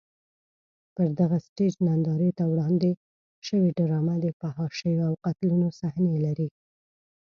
پر دغه سټېج نندارې ته وړاندې شوې ډرامه د فحاشیو او قتلونو صحنې لري.